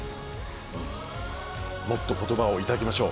もっと言葉をいただきましょう。